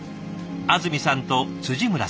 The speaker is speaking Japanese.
安積さんと村さん。